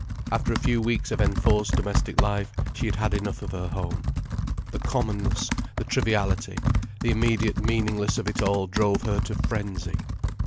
After a few weeks of enforced domestic life, she had had enough of her home. The commonness, the triviality, the immediate meaninglessness of it all drove her to frenzy.